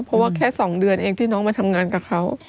เพราะว่าแค่๒เดือนเองที่น้องมาทำงานกับเขา